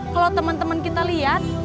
kalau temen temen kita lihat